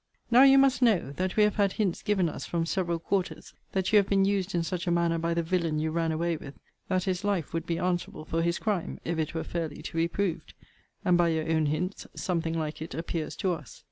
Now you must know, that we have had hints given us, from several quarters, that you have been used in such a manner by the villain you ran away with, that his life would be answerable for his crime, if it were fairly to be proved. And, by your own hints, something like it appears to us.